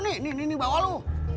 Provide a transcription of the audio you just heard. nih nih nih bawah lo